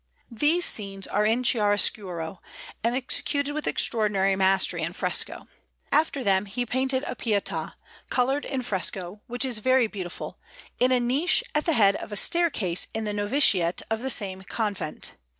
These scenes are in chiaroscuro, and executed with extraordinary mastery in fresco. After them he painted a Pietà, coloured in fresco, which is very beautiful, in a niche at the head of a staircase in the noviciate of the same convent.